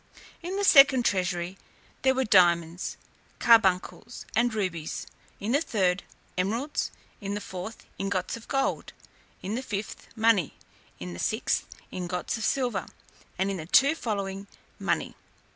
In the second treasury, there were diamonds, carbuncles, and rubies; in the third, emeralds; in the fourth, ingots of gold; in the fifth, money; in the sixth, ingots of silver; and in the two following, money.